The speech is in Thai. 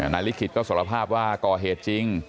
ลิขิตก็สารภาพว่าก่อเหตุจริง